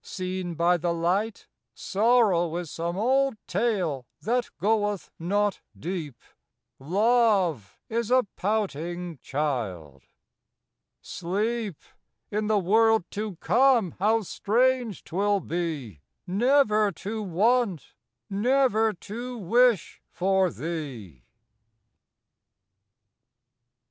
Seen by thy light Sorrow is some old tale that goeth not deep; Love is a pouting child. Sleep, in the world to come how strange't will be Never to want, never to wish for thee